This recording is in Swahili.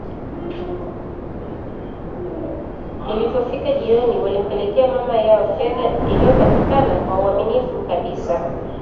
Ilivyofika jioni walimpelekea mama yao fedha iliyopatikana kwa uaminifu kabisa